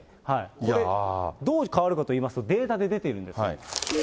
これ、どう変わるかといいますと、データで出ているんです。